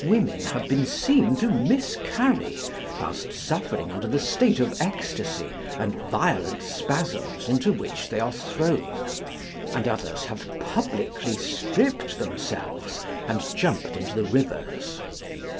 Women have been seen to miscarry whilst suffering under the state of ecstasy and violent spasms into which they are thrown, and others have publicly stripped themselves and jumped into the rivers.